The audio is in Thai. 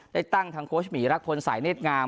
ได้ตั้งทางโค้ชหมีรักพลสายเนธงาม